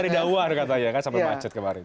dari dauan katanya sampai macet kemarin